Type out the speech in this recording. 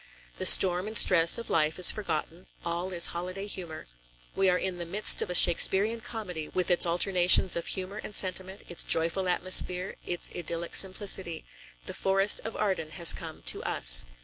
The storm and stress of life is forgotten; all is holiday humor. We are in the midst of a Shakespearian comedy, with its alternations of humor and sentiment, its joyous atmosphere, its idyllic simplicity; the forest of Arden has come to us.